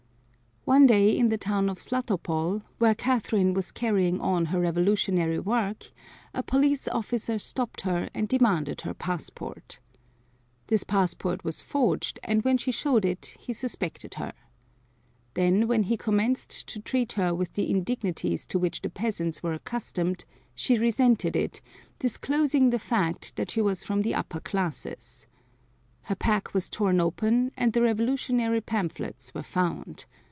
One day in the town of Zlatopol, where Catherine was carrying on her revolutionary work, a police officer stopped her and demanded her passport. This passport was forged and when she showed it he suspected her. Then, when he commenced to treat her with the indignities to which the peasants were accustomed she resented it, disclosing the fact that she was from the upper classes. Her pack was torn open and the revolutionary pamphlets were found.